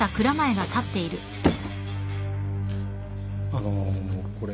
あのこれ。